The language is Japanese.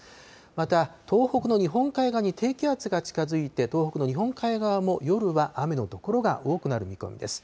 また東北の日本海側に低気圧が近づいて、東北の日本海側も、夜は雨の所が多くなる見込みです。